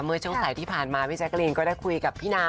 เมื่อช่วงสายที่ผ่านมาพี่แจ๊กรีนก็ได้คุยกับพี่นา